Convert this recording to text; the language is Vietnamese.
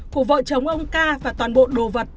của vợ chồng ông ca và toàn bộ đồ vật